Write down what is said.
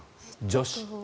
女子。